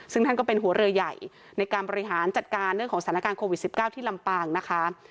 ซึ่งท่านก็เป็นหัวเรือใหญ่ในการบริหารจัดการเรื่องของสถานการณ์โควิด๑๙ที่ลำปางนะคะ